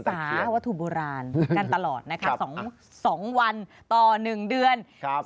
สาวัตถุโบราณกันตลอดนะคะ๒วันต่อ๑เดือน